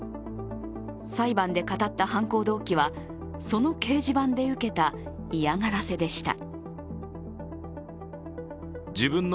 裁判で語った犯行動機は、その掲示板で受けたいやがらせでした。